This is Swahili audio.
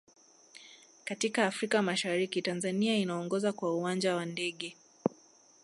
katika afrika mashariki tanzania inaongoza kwa uwanja wa ndege